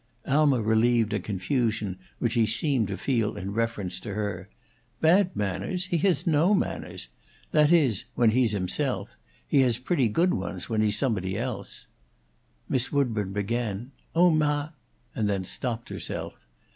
Alma relieved a confusion which he seemed to feel in reference to her. "Bad manners? He has no manners! That is, when he's himself. He has pretty good ones when he's somebody else." Miss Woodburn began, "Oh, mah " and then stopped herself.